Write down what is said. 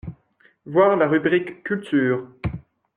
Voir la rubrique culture.